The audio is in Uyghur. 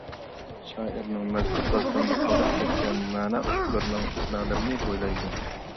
شائىرنىڭ مەزكۇر داستاندا قالدۇرۇپ كەتكەن مەنە ئۇپۇقلىرىنىڭ ئىزنالىرىنى بويلايدۇ.